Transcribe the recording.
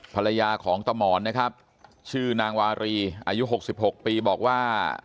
ภรรยาของตะหมอนนะครับชื่อนางวารีอายุ๖๖ปีบอกว่า